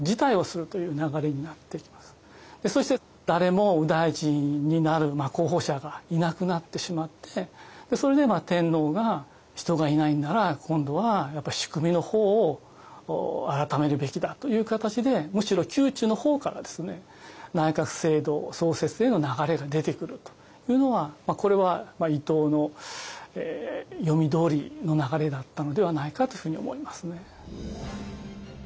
そして誰も右大臣になる候補者がいなくなってしまってそれで天皇が「人がいないなら今度は仕組みの方を改めるべきだ」という形でむしろ宮中の方から内閣制度創設への流れが出てくるというのはこれは伊藤の読み通りの流れだったのではないかというふうに思いますね。